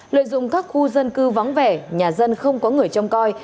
lợi dụng các khu dân cư vắng vẻ nhà dân không có người trông coi